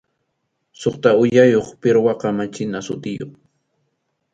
Suqta uyayuq pirwaqa machina sutiyuq.